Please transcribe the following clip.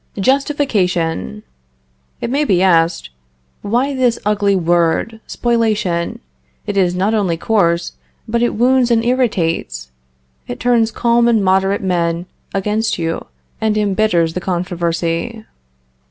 JUSTIFICATION. It may be asked, "Why this ugly word spoliation? It is not only coarse, but it wounds and irritates; it turns calm and moderate men against you, and embitters the controversy."